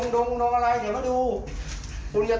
กูจะต้องเซอร์ไพรส์เห็นสภาพ